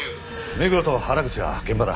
目黒と原口は現場だ。